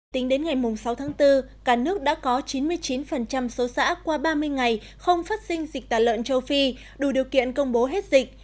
tính đến ngày sáu tháng bốn cả nước đã có chín mươi chín số xã qua ba mươi ngày không phát sinh dịch tả lợn châu phi đủ điều kiện công bố hết dịch